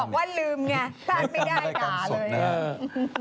บอกว่าลืมไงทานไม่ได้ก่อน